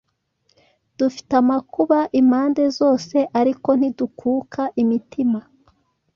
Dufite amakuba impande zose ariko ntidukuka imitima